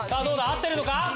合ってるのか？